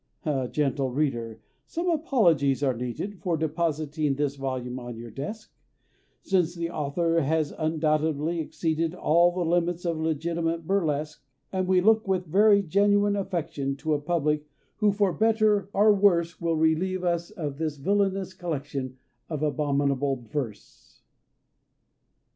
Gentle Reader, some apologies are needed For depositing this volume on your desk, Since the author has undoubtedly exceeded All the limits of legitimate burlesque, And we look with very genuine affection To a Public who, for better or for worse, Will relieve us of this villainous collection Of abominable verse!